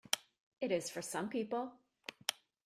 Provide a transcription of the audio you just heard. It is for some people.